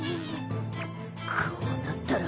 こうなったら。